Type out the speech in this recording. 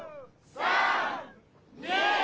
３！２！